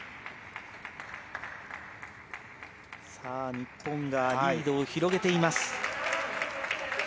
日本がリードを広げています。